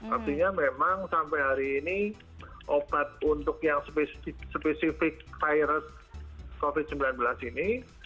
artinya memang sampai hari ini obat untuk yang spesifik virus covid sembilan belas ini